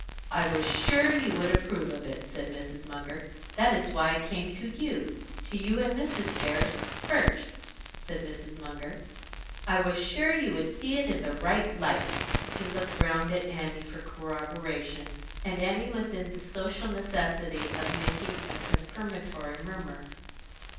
"I was sure you would approve of it," said Mrs. Munger. "That is why I came to you to you and Mrs. Gerrish first," said Mrs. Munger. "I was sure you would see it in the right light." She looked round at Annie for corroboration, and Annie was in the social necessity of making a confirmatory murmur.